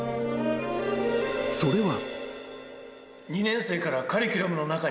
［それは］